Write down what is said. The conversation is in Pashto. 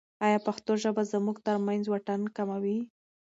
ایا پښتو ژبه زموږ ترمنځ واټن کموي؟